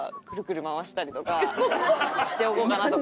しておこうかなとか。